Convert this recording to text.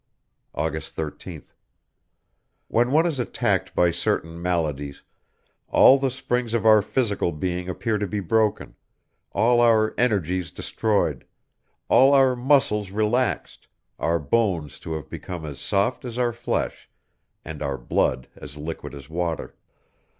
August 13th. When one is attacked by certain maladies, all the springs of our physical being appear to be broken, all our energies destroyed, all our muscles relaxed, our bones to have become as soft as our flesh, and our blood as liquid as water.